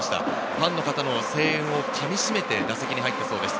ファンの方の声援をかみしめて打席に入ったそうです。